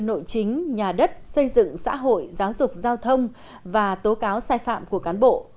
nội chính nhà đất xây dựng xã hội giáo dục giao thông và tố cáo sai phạm của cán bộ